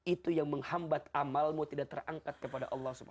itu yang menghambat amalmu tidak terangkat kepada allah swt